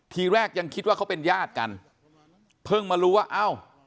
ทีแรกยังคิดว่าเขาเป็นญาติกันเพิ่งมารู้ว่าเอ้า